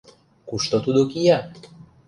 Кушто тудо кия?